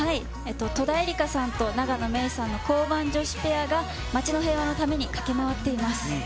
戸田恵梨香さんと永野芽郁さんの交番女子ペアが街の平和のために駆け回っています。